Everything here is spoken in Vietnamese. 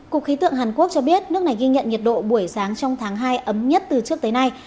cục khí tượng hàn quốc cho biết nước này ghi nhận nhiệt độ buổi sáng trong tháng hai ấm nhất từ trước tới nay